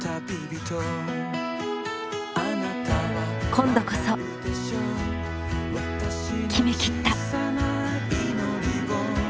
今度こそ決めきった。